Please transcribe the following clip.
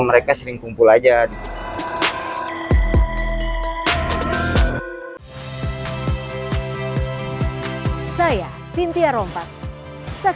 mereka sering kumpul aja gitu